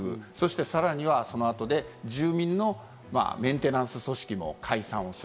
さらには、そのあとに住民のメンテナンス組織も解散する。